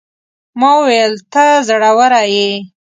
ما وويل: ته زړوره يې.